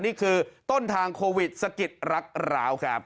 นี่คือต้นทางโควิดสะกิดรักร้าวครับ